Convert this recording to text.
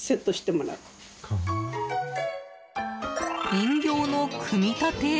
人形の組み立て？